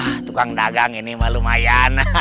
nah tukang dagang ini mah lumayan